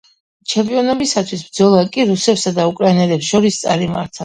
ჩემპიონობისათვის ბრძოლა კი რუსებსა და უკრაინელებს შორის წარიმართა.